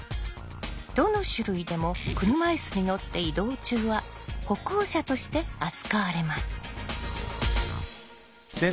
どの種類でも車いすに乗って移動中は歩行者として扱われます。